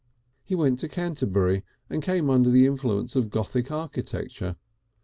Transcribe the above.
He went to Canterbury and came under the influence of Gothic architecture.